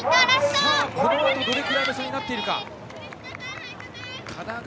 このあとどれくらいの差になっているか。